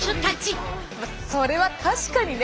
それは確かにね。